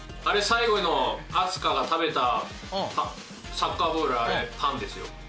あれ最後の未来日が食べたサッカーボールパンですよ。